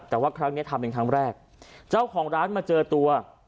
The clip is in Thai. แต่ว่าครั้งนี้ทำเป็นครั้งแรกเจ้าของร้านมาเจอตัว